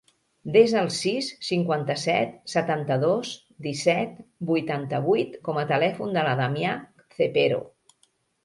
Desa el sis, cinquanta-set, setanta-dos, disset, vuitanta-vuit com a telèfon de la Damià Cepero.